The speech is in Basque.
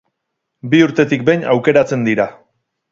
Bi urtetik behin aukeratzen dira.